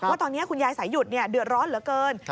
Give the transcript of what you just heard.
ว่าตอนนี้คุณยายสายหยุดเดือดร้อนเหลือเกิน